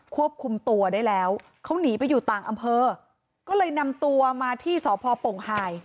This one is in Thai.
ควบคุมตัวได้แล้วเขาหนีไปอยู่ต่างอำเภอก็เลยนำตัวมาที่สพปงไฮ